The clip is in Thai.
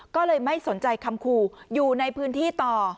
ก็เลยไม่สนใจคำขู่อยู่ในพื้นที่ต่อ